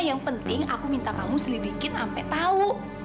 yang penting aku minta kamu selidikin sampai tahu